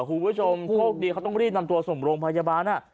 พวกเขาต้องรีบนำตัวสมโรงพยาบาล